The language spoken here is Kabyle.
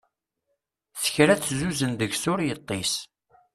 Sekra tezzuzzen deg-s ur yeṭṭis.